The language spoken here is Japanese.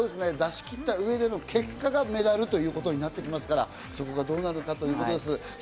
出し切った上での結果がメダルということになってきますから、そこがどうなるのかということですね。